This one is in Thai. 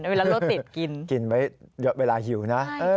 เวลารถติดกินกินไว้เยอะเวลาหิวนะ